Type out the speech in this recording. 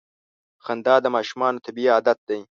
• خندا د ماشومانو طبیعي عادت دی.